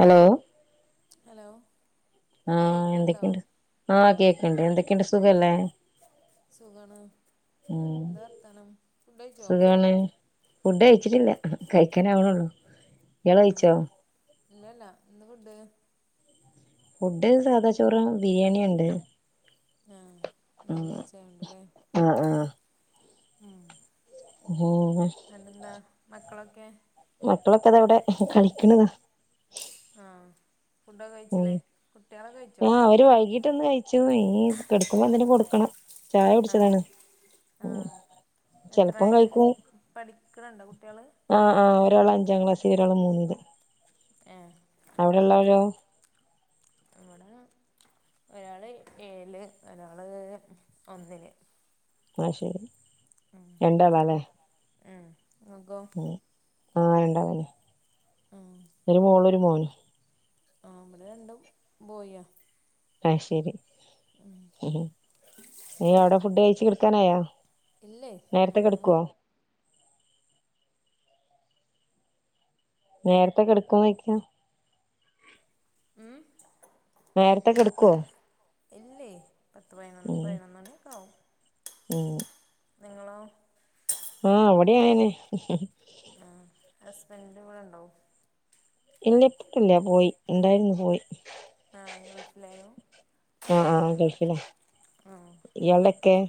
Hello. Hello ആഹ്, കേക്ക്ണുണ്ടോ എന്തൊക്കെയൊണ്ട് ആ കേക്ക്ണ്ട് എന്തൊക്കെയണ്ട് സുഖല്ലേ? സുഖാണ് ഉം ന്താ വർത്താനം ഫുഡ് കഴിച്ചോ? സുഖാണ് ഫുഡ് കഴിച്ചിട്ടില്ല, കഴിക്കാനാവണേള്ളൂ ഇയാള് കഴിച്ചോ? ആഹ് ഇല്ലല്ല ന്താ ഫുഡ്? ഫുഡ് സാദാ ചോറ് ബിരിയാണിണ്ട്. ആഹ് വെള്ളിയാഴ്ച ആയൊണ്ട്ലെ ആഹ് ആഹ് ഉം. ബോ [unintelligible] എന്നനാ മക്കളൊക്കെ? മക്കളൊക്കെ താ വിടെ കളിക്ക്ണ്താ. ആഹ് ഫുഡൊക്കെ കഴിച്ചില്ലേ കുട്ടിയാ ളൊക്കെ കഴിച്ചോ? വര് വൈകി ട്ടൊന്നു കഴിച്ചു ഇനി കെടക്കുമ്പന്തേലും കൊടുക്കണം. ചായ ആഹ് കുടിച്ചതാണ് ആഹ് ചെലപ്പം എത്രയിലാ പഠിക്കണ് ണ്ടോ കുട്ടിയാള്? ആ ആ ഒരാള് അഞ്ചാം ക്ലാസ്സില് ഒരാള് മൂന്നില്. ഏ അവടെള്ളോരോ? ഇവടെ ഒരാള് ഏഴില് ഒരാള് ഒന്നില്. അയ്ശരി. മ് എ മൊഖോം. ആഹ് രണ്ടാളന്നെ. ആഹ് ഒരു മോളും ഒരു മോനും ആഹ് ഇബടെ രണ്ടും ബോയിയാ അയ് ശെരി ഉം നീ അവിടെ ഫുഡ് കഴിച്ച് കെടക്കാനായോ? ഇല്ലെ ഞാനങ്ങനെ നേരത്തെ കെടക്കുനോയ്യ്ക്ക? ഉംഹ് നേരെത്തെ കെട്ക്കോ? ഇല്ലെ പത്ത് പയിനൊന്ന് പയിനൊന്നണിക്കാവും എഹ് നിങ്ങളോ? ആഹ ഇവടിം അങ്ങെനെന്നെ ആഹ് ഹസ്ബൻന്റ്വ്ടെണ്ടോ? ഇല്ല്യ ഇപ്പെല്ല്യ പോയി ഇണ്ടായിരുന്നു പോയി ആഹാ ഗെൾഫിലേനു? ആഹ് ആഹാ ഗെൾഫില ആഹ്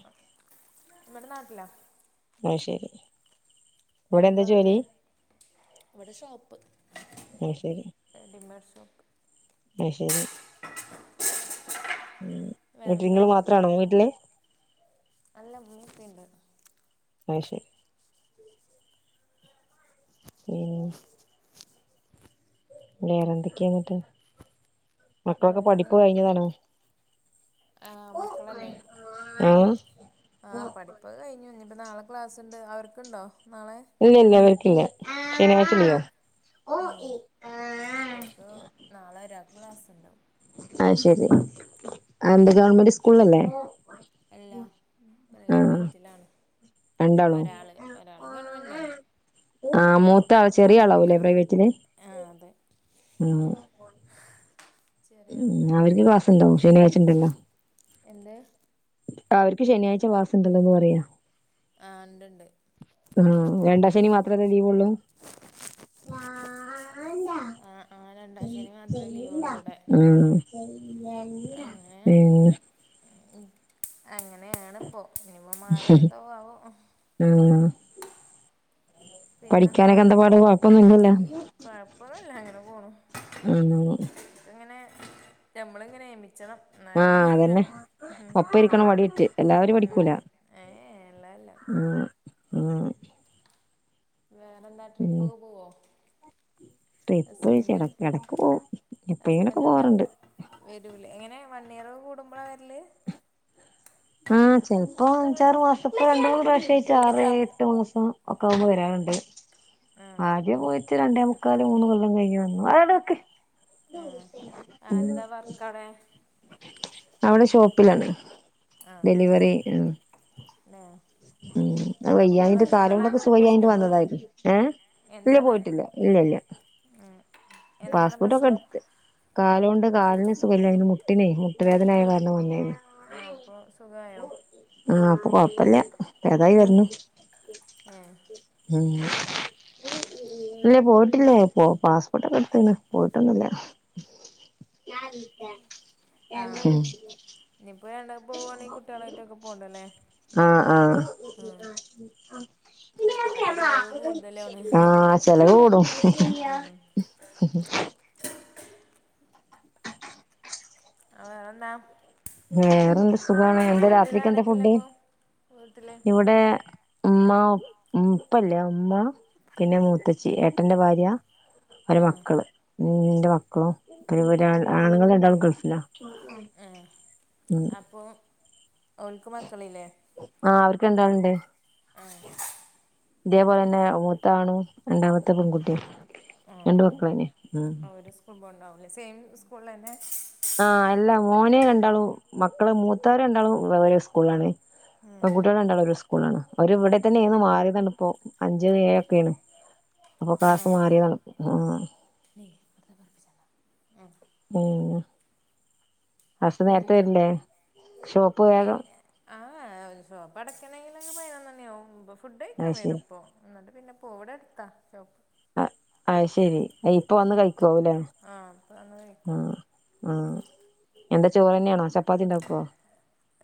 ആഹാ വ്ടെ നാട്ട്ലാ? അയ് ശെരി എന്താന്നെട്ട് ഇവ്ടെ ഷോപ്പ് അഹ് ശെരി റെഡിമേഡ് ഷോപ്പ് അഹ് ശെരി മ് വേറെന്താ ഇന്നിട്ടിങ്ങെള് മാത്രാണോ വീട്ടില്? അല്ല ഇമ്മിംപ്പിണ്ട് അയ് ശെരി പിന്നെ വേറെന്തെക്കെന്നിട്ട് മക്കളൊക്കെ വേറെ പഠിപ്പ് കഴിഞ്ഞതാണോ? ആഹ്.. മക്കളല്ലേ ആഹ് ആ പഠിപ്പൊക്കെ കയിഞ്ഞു ഇഞ്ഞിപ്പൊ നാളെ ക്ലാസ്ണ്ട് അവർക്ക്ണ്ടൊ നാളെ? ഇല്ല്യല്ല്യ ഇവർക്കില്ല ശനിയാഴ്ച ലീവാ ആഹ് ഇവര്ക്കു നാളെ ഒരാക്ക് ക്ലാസ്ണ്ട് അഹ് ശെരി ആ എന്താ ഗവൺമെന്റ് സ്കൂൾള്ളല്ലേ? എല്ല ആഹ് പ്രൈവറ്റിലാണ് രണ്ടാളോ ഒരാള് ഒരാള് ഗവൺമെന്റാന്ന് ആഹ മൂത്താള് ചെറിയാളാവൂലെ പ്രൈവറ്റില് ആഹ് അതെ ഉംഹ് ചെറിയാളും അവർക്ക് പ്രൈവറ്റിലാണ് ക്ലാസ്ണ്ടാവും ശനിയാഴ്ച ഉണ്ടല്ലോ എന്ത്? അവർക്ക് ശനിയാഴ്ച ക്ലാസ്ണ്ടെല്ലോന്ന് പറയാ ആഹ് ണ്ട്ണ്ട് ആഹ് രണ്ടാശെനി മാത്രല്ലെ ലീവൊള്ളൂ? ആഹ് ആഹ് ര ണ്ടാശെനി മാത്രേ ലീവൊള്ളുവ്ടെ ആഹ് അങ്ങനെ പിന്നെ അങ്ങെനെയാണ്പ്പൊ ഇഞ്പ്പൊ മാറോ എന്താവാവോ ഉഹ്മ് പിന്നെന്താ പഠിക്കാനൊക്കെന്താപാട് കൊഴപ്പൊന്നുല്ലല്ലോ? കൊഴപ്പൊന്നുല്ല അങ്ങനെ പോണു അങ്ങനെ പോണു ഇത്ങ്ങനെ ഞമ്മള്ങ്ങനെ എമിച്ചെണം ആഹ് ന്നാലിങ്ങനെ അതന്നെ ഉഹ് ഇഹേ ഒപ്പം ഇരിക്കണം വടിയേറ്റ് എല്ലാവരും ഇഹേ ഏഹേ എ എല്ലാല്ല അങ്ങനെ അങ്ങനെ വേറെന്താ ട്രിപ്പൊക്കെ പോവോ? ട്രിപ്പേച്ച് എട ഹസ്ബൻഡ് എടക്ക് പോവും. എപ്പഴേലൊക്കെ പോവാറ്ണ്ട്. വെരൂലേ എങ്ങനെ വണ്ണിയർ കൂടുമ്പള വെര്ല്. ആഹ്, ചെൽപ്പോ അഞ്ചാറ് മാസത്ത് രണ്ടു മൂന്ന് പ്രാഷായിട്ടാറേഴെ ട്ടുമാസം ഒക്കാവുമ്പോ വെരാറ്ണ്ട്. ആഹ് ആദ്യം പോയി രണ്ടേമുക്കാല് മൂന്ന് കൊല്ലം കഴിഞ്ഞ് വന്നു. ആ ആടവെക്ക് ആഹ് [unintelligible] ആ ഉം. എന്താ [unintelligible] അവ്ട ഷോപ്പിലാണ്. ആഹ്, ഡെലിവറി ഉം ന്നെ അഅ് വയ്യാഞ്ഞിട്ട് കാലോണ്ടൊക്കെ സുവയ്യാഞ്ഞിട്ട് വന്നതായിര്ന്നു. ഏഹ് ഇല്ല്യ എന്താണ് പോയിട്ടില്ല്യ. ഇല്ല്യ, ഇല്ല്യ ഉം എന്താണ് പാസ്പോട്ടൊക്കെ പ്രശ്നം എട്ത്ത്. കാലോണ്ട് കാൽന് സുഖല്ലായ്നു. മുട്ടിനെ മു മുട്ട് വേദനായ ആഹ് കാര്ണം വന്നേനി. ആഹ് അപ്പൊ സുഖായോ ആഹ്പ്പൊ കൊഴപ്പല്ല്യ. പേതായി ആഹ് വെര്ണു. ഏഹ് ഉം ഇല്ലെ പോയിട്ടില്ലേ പോ പാസ്പോർട്ടൊക്കെട്ത്ത്ണ് പോയിട്ടൊന്നുല്ല്യ. ആഹ് [unintelligible] ഉം. ഇനിയിപ്പോ രണ്ടാളും പോവുവാണെ കുട്ട്യാളായിട്ടക്കാ പോവണ്ടല്ലേ. ആഹ്, ആഹ് അപ്പൊ ചെലവ് കൂടുതലാണ് ആഹ് ചെലവ് കൂടും. ഉം അഹ്, വേറെന്നാ? വേറെന്ത് സുഖാണ്. എന്താ രാത്രിക്കെന്താ ഫുഡ്? വീട്ടിലാരൊക്കെള്ളപ്പോ വീട്ടില് ഇവടെ ഉമ്മ ഉപ്പല്ല്യ ഉമ്മ പിന്നെ മൂത്തച്ചി ഏട്ടന്റെ ഭാര്യാ ഓരെ ആഹ് മക്കള്, ന്റെ മക്കളും പിന്നെവര് ആണുങ്ങള് രണ്ടാളും ഗൾഫ് ലാ ഏഹ്. അപ്പോ ഓൽക്ക് മക്കളില്ലേ? ആഹ് അവർക്ക് രണ്ടാൾണ്ട്. ഇതേപോലെന്നെ മൂത്ത ആണും രണ്ടാമത്തെ പെങ്കുട്ടിം. രണ്ടു മക്കളന്നെ ആഹ് [unintelligible] ണ്ടാവുല്ലേ സെയിം സ്കൂൾളെന്നെ. ആഹ്. അല്ല മോനെ രണ്ടാളും മക്കള് മൂത്തോര് രണ്ടാളും [unintelligible] സ്കൂൾളാണ്. പെങ്കുട്ട്യള് രണ്ടാളും ഒരു സ്കൂൾലാണ്. ഓര്വ്ടെ തന്നെര്ന്ന് മാറിയതാണ്പ്പോ അഞ്ച്ഏഴൊക്കേണ്. അപ്പൊ ക്ലാസ്സ്‌ മാറിയതാണ്. ആഹ് [unintelligible] പതപർപ്പിച്ചല്ല എഹ് ഉം. അസ് പിന്നെ നേര്ത്തെവെര്ല്ലേ. ഷോപ്പ് ഏ വേഗം ആ ഏ എ ഷോപ്പടയ്ക്കണെങ്കിലൊക്കെ പയ്നൊന്നണ്യാവും, പ്പ ഫുഡയ്ക്കാ അത് ശരി വെരുപ്പോ. ന്നട്ട് പിന്നെ പോവു വടട്ത്താ ഷോപ്പ്. അ അയ്ശെരി അഇപ്പ വന്ന് കഴിക്കാവുല്ലേ? ആ അപ്പോൾ അന്ന് കഴിക്കും ആഹ്. ആഹ്, എന്താ ചോറന്നെണോ? ചപ്പാത്തിണ്ടാക്കോ?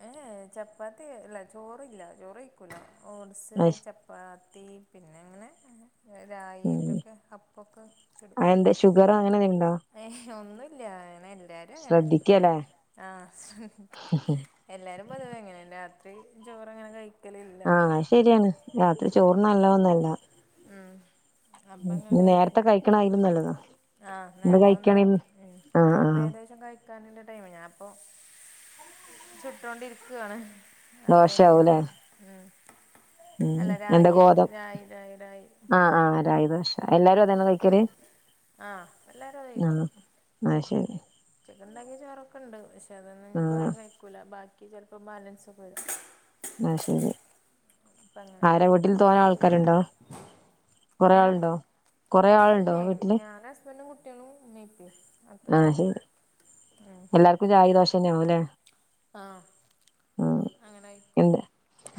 ഏഹേ ചപ്പാത്തി ല്ല ചോറില്ല ചോറയ്ക്കൂലാ ഓട്സ് അത് ശരി. ച പാത്തി പിന്നെ ങ്ങനെ രാ രായിറ്റൊക്കെ അപ്പൊക്കെ ചുടും. ഷുഗറങ്ങനെന്തെണ്ടാ? ഏഹ്, ഒന്നുല്ല്യ നെ എല്ലാരു അങ്ങനെ. ശ്രദ്ധിക്കല്ലേ ആഹ്, എല്ലാരും പൊതുവെ അങ്ങനെന്നെ രാത്രി ചോറങ്ങനെ കഴി ആഹ് അഅ് ശെരിയാന്ന് രാത്രി ചോറ് നല്ലോന്നല്ല. ഉം, അപ്പങ്ങനെ നേരത്തെ കഴിക്കും. കഴിക്കണ ആയാലും നല്ലതാ ആഹ് എന്ത് നേര്ത്തെവന്ന് കഴിക്കണ കഴിക്കും. ഉം ആഹ് ഞങ്ങള്പ്പോ ആഹ് ഏകദേശം കഴി ക്കാന്ള്ള ടൈമായി. ഞാപ്പൊ ചുട്ടോണ്ടിര്ക്കാണ്. ആ ടൈമ്‌ന് ദോശയാവൂല്ലേ ഉം ഉം. അല്ല എന്താ രാഗിയിട്ട് ഗോതം രായി രായി രായി ആഹ്, ആഹ് രായി ദോഷ എല്ലാരും അതന്നാ കഴിക്കല്. ആഹ് എല്ലാരും ആഹ് ന്നാ ശെരി. ഉച്ചക്ക്ണ്ടാക്കിയ ചോറൊക്കെണ്ട്. പഷെ ആഹ് അതൊന്നുഞ്ഞിപ്പാരും കഴിക്കൂല. ബാക്കി ചെലപ്പോ ബാലൻസൊക്കെ വരും. അയ് ശരി അപ്പ അങ്ങനെ ആര വൂട്ടിൽ തോനെ ആൾക്കാരുണ്ടോ? കൊറെആളുണ്ടോ? ഏഹ് ഇല്ലേ ഞാനസ്ബൻഡും കുട്ടികളും ഇമ്മീംഇപ്പിംഅത്രോ ആഹ് ശരി ഉ എല്ലാർക്കും ചായിം ദോശന്നെയാവുല്ലേ ആഹ് അങ്ങനായിക്കും എന്ത്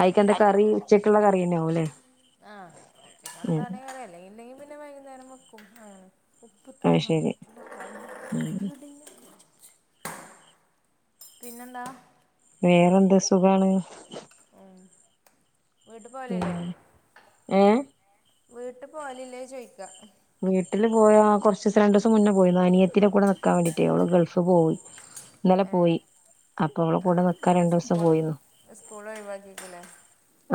അയിക്കെന്താ അ കറി ഉച്ചക്കുള്ള കറിയന്നെ ആവുംല്ലേ ആഹ് [unintelligible] പിന്ന ഉം [unintelligible] ന്നെ വൈകുന്നേരം വെക്കും ആണ് ഉപ്പ് അത് തിന്ന ശരി പറ്റൂല. ഉം പിന്നെന്ത വേറെന്താ സുഖാണ് ഉം വീട്ട് പോവലില്ലേ ഉം ഏ വീട്ട് പോവലില്ലേ ചോയിക്ക വീട്ടില് പോയാ കൊറച്ചീസം രണ്ടീസം മുന്നേ പോയിന്നു അനിയത്തിടെ കൂടെ നിക്കാൻ വേണ്ടീട്ടെ ഓള് ഗൾഫ് പോയി [unintelligible] ന്നലെ പോയി അപ്പൊ ഓള കൂടെ നിക്കാൻ സ്കൂ രണ്ടൂസം പോയിന്നു സ്കൂളൊഴിവാക്കിക്കില്ലേ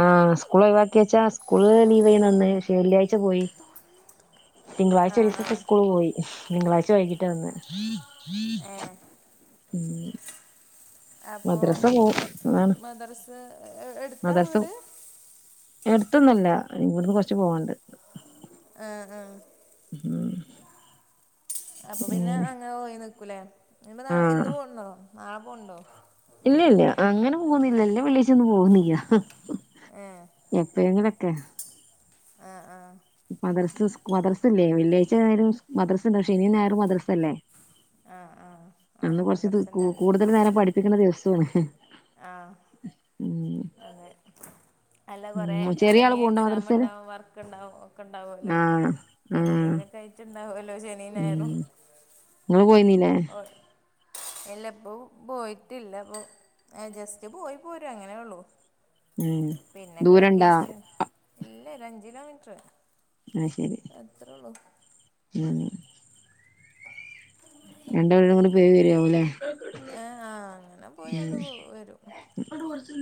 ആഹ് ഇസ്കൂളൊഴിവാക്കിച്ചാ സ്കൂൾ നീ ന്ന് നന്നയി പക്ഷെ വെള്ളിയാഴ്ച പോയി തിങ്കളാഴ്ച ആഹ് ഒരിസത്തെ ആഹ് സ്കൂള് പോയി തിങ്കളാഴ്ച വൈകിട്ട വന്നെ ഏഹ് അപ്പോ മദ്രസ പോവും അതാണ് മദ്രസ് എടുത്താ മദ്രസ വീട് എടുത്തൊന്നല്ല ഇവിടുന്ന് കുറച്ച് പോവാനുണ്ട് ആഹ് ആഹ് ഉം അപ്പൊ പിന്നെ അങ്ങനെ പോയി നിക്കൂലേ ഇനീപ്പൊനാ ഇന്ന് ആഹ് പോണതോ നാളെ പോണൊണ്ടോ ഇല്ലല്ല്യ അങ്ങനെ പോകുന്നില്ല എല്ല വെള്ള്യാച്ചോന്നും പോകുന്നില്ല ഏഹ് എപ്പേങ്കിലൊക്കെ ആഹ് ആഹ് മദ്രസ് മദ്രസല്ലേ വെള്ളിയാച്ചായാലും മദ്രസ്ണ്ട് ഷെനിയും ഞായറും മദ്രസല്ല ആഹ് ആഹ് ആഹ് അന്ന് കൊറച്ച് മദ്രസ കൂ ഉണ്ടല്ലേ കൂടുതൽ നേരം പഠിപ്പിക്കണ ദിവസോണ് ആഹ് അതെ അല്ല കൊറെ ഉം ചെറിയ ആള് അല്ലെങ്കി പോവ്ണ്ടോ മദ്രസേല് എക്സാമ്ണ്ടാവും വർക്ക്ണ്ടാവും ഒക്കെണ്ടാവല്ലോ ആഹ് ആഹ് എന്തെങ്കിലുക്കെയിട്ടുണ്ടാവോല്ലോ നീ ഞയറു ഉം ഇങ്ങള് പോയിന്നീല്ലേ ഒ എല്ല ഇപ്പൊ പോയിട്ടില്ലപ്പൊ ഏ ജസ്റ്റ് പോയി പോരും അങ്ങനെള്ളു ഉം പിന്നൊക്കെ ദൂരണ്ടാ വെക്കേഷൻ ഇല്ലൊരഞ്ച് കിലോമീറ്റർ ആയ് ശരി ത്രേള്ളോ ഉം രണ്ട് വീടും കൂടി പേര് വരിയാവൂല്ലേ ഏഹ് ആഹ് അങ്ങനെ പോയോണ്ട് വരും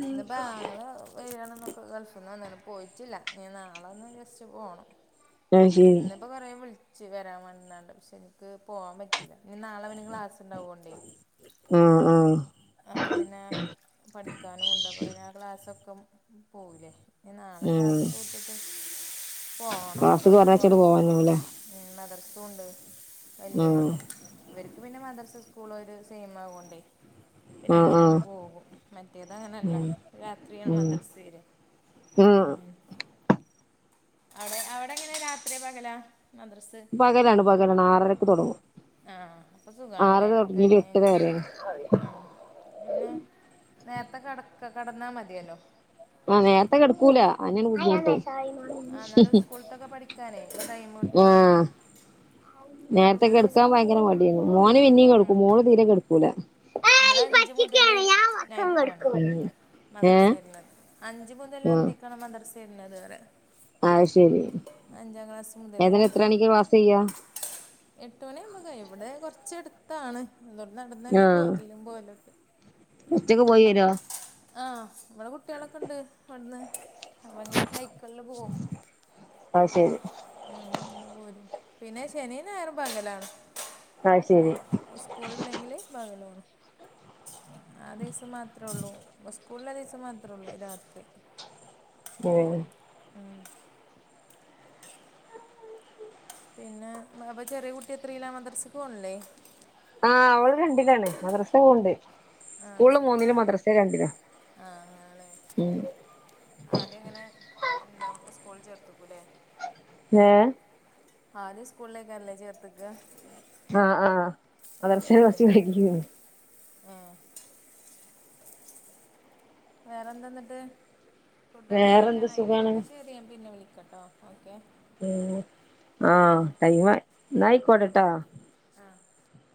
ഇന്നിപ്പോ ആങ്ങള വരികയാണെന്നക്ക് ഗൾഫ്ന്ന് വന്നേണ് പോയിട്ടില്ല നി നാളെ ഒന്ന് ജസ്റ്റ് പോണം അത് ശരി പ്പോ കൊറേ വിളിച്ച് വരാൻ വേണ്ടിനാണ്ട് പക്ഷെ എനിക്ക് പോവാൻ പറ്റീല്ല ഇനി നാളെവന് ക്ലാസ് ഉണ്ടാവു കൊണ്ടേ ആഹ് ആഹ് അപ്പ പിന്നെ പഠിക്കാനുമുണ്ട് അപ്പോന്നെ ആ ക്ലാസ്സൊക്കെ പോവില്ലേ നി നാളെ ഉം ക്ലാസക്കെ വിട്ടിട്ട് പോണം ക്ലാസ്ക്ക് പോയി പോര പറഞ്ഞയച്ചാണ്ട് പോവാനാവുല്ലേ ഉ മദർസും ഉണ്ട് വല്യോന് ആഹ് ഇവർക്ക് പിന്നെ മദർസ് സ്കൂൾ ഒരു സെയിംമാവണ്ടേ പിന്നെ ആഹ് അങ്ങനെയാണ് ആഹ് പോകും മറ്റേത് അങ്ങനെയല്ല ഉം രാത്രിയാണ് ഉം മദർസ് വരെ ഉം ഉ അവിടെ അവിടെങ്ങനെ രാത്രി പകല മദർസ് പകലാണ് പകലാണ് ആറരക്ക് തുടങ്ങും ആഹ അപ്പൊ സുഖാണല്ലേ അത് എട്ടര കഴിഞ്ഞന്നെ വരെയാണ് ഉ അയിന് നേരത്തെ കടക്ക കടന്നാ മതിയല്ലോ ആഹ് നേരത്തെ കിടക്കൂല ആഹ് എന്നാലും സ്കൂളിലത്തെയൊക്കെ പഠിക്കാനേ ടൈം കിട്ടുകയുംചെയ്യും ആഹ് നേരത്തെ കിടക്കാൻ ഭയങ്കര മടിയായിരുന്നു മോനുപിന്നേം കെടക്കും മോളുതീരെ കെടക്കൂല ഇവിടെയഞ്ചുമുതല് നൈറ്റാണ് ഉം ഏഹ് മദ്രസയുളളത് അഞ്ചു മുതലന്തിക്കാണ് മദ്രസയുള്ളതിവിടെ അതുശരി മുതലേ ഏങ്ങനെയെത്ര മണിക്കു പാസുചെയ്ക എട്ടുമണിയാകുമ്പോൾ കഴിയും ഇവിടെ കുറച്ചടുത്താണ് അതുകൊണ്ടുനടന്നുതന്നെ പോകലും പോരലുമൊക്കെ ഉച്ചക്കുപോയിവരുവോ ആഹ് നമ്മുടെ കുട്ടികളൊക്കെയുണ്ടവിടുന്ന് അപ്പമങ്ങനെ ഈ കൊല്ലം പോകും അത് ശരി ഉം അങ്ങനെപോരും പിന്നെ ശനിയും ഞായറും പകലാ അത് ശരി സ്കൂളില്ലെങ്കിലു പകലു പോണം ആദിവസം മാത്രമേയുള്ളൂ അപ്പോ സ്കൂളിലൊരു ദിവസം മാത്രേമേയുള്ളൂ, രാത്രി ഉം ആഹ് പിന്നെ യപ്പൊചെറിയ കുട്ടിയെത്രയിലാ മദ്രസയ്ക്ക് പോണില്ലേ ആഹ് അവളു രണ്ടിലാണ് മദ്രസ പോകുന്നുണ്ട് ആഹ് സ്കൂളില് ആഹ് ആങ്ങളേ ആഹ് അദ്യമിങ്ങനെ എന്താ സ്പൂൻചേർത്തു വക്കൂമല്ലേ ഏ ആദ്യംസ്കൂളിലേക്കാണല്ലേ ചേർത്തേക്ക ആഹ ആഹ മദ്രസ ഫസ്റ്റ് കഴിഞ്ഞു ആ വേറെന്തായെന്നിട്ട് ഫുഡൊക്കെ വേറെന്ത് കഴിക്കാനായില്ലേ, സുഖാണ് എന്നാ ശരി ഞാൻ പിന്നെ വിളിക്കാട്ടോ ഓക്കേ ഏ ആഹ് എന്നാ എന്നായികോട്ടേ കേട്ടോ ആഹ്